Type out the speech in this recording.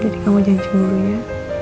jadi kamu jangan cemburu ya